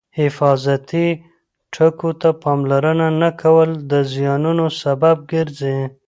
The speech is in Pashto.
حفاظتي ټکو ته پاملرنه نه کول د زیانونو سبب ګرځي.